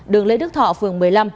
đường lê đức thọ phường một mươi năm